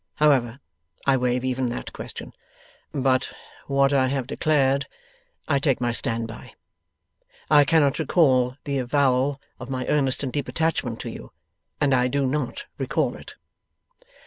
However, I waive even that question. But what I have declared, I take my stand by. I cannot recall the avowal of my earnest and deep attachment to you, and I do not recall it.